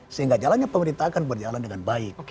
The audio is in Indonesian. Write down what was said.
sehingga jalannya pemerintah akan berjalan dengan baik